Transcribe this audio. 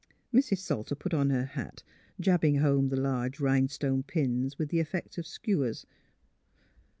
Mrs. Salter put on her hat, jabbing home the large rhinestone pins with the effect of skewers.